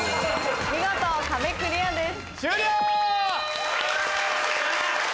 見事壁クリアです。